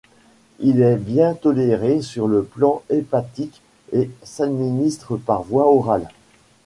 Il est bien toléré sur le plan hépatique et s'administre par voie orale.